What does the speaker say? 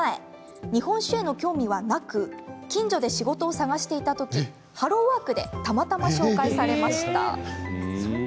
日本酒への興味はなく近所で仕事を探していた時ハローワークでたまたま紹介されました。